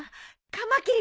カマキリ？